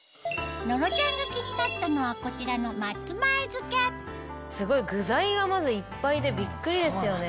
野呂ちゃんが気になったのはこちらの松前漬けすごい具材がまずいっぱいでビックリですよね。